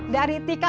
dari tika setrika itu